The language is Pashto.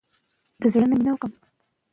زه هڅه کوم د پنیر لرونکي سنکس جوړ کړم.